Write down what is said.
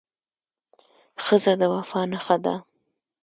ښځه د وفا نښه ده.